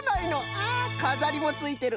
あかざりもついてる。